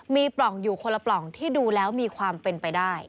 มีปล่องอยู่คนละปล่องที่ดูแล้วมีความเป็นไปได้